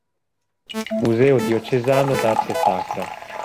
Museo diocesano d'arte sacra